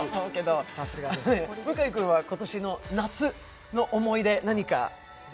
向井君は今年の夏の思い出、何かあります？